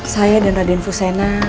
saya dan raden fusena